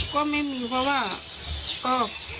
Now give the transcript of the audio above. ก็ไม่มีเพราะว่าก็